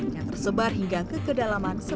yang tersebar hingga ke kedalaman sepuluh meter